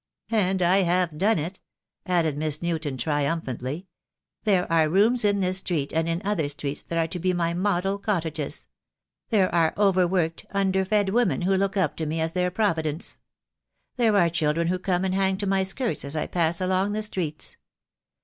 And I have done it," added Miss Newton triumphantly. "There are rooms in this street and in other streets that are to me my model cottages. There are overworked, underfed women who look up to me as their Providence. # There are children who come and hang to my skirts as I pass along the streets.